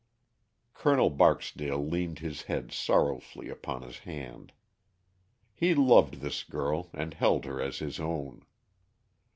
Col. Barksdale leaned his head sorrowfully upon his hand. He loved this girl and held her as his own.